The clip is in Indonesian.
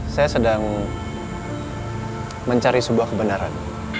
saya sedang mencari sebuah kebenaran